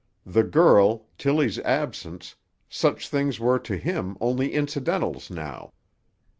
The girl, Tilly's absence, such things were to him only incidentals now.